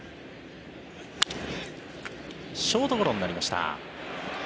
ショートゴロになりました。